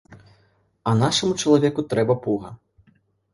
А нашаму чалавеку трэба пуга.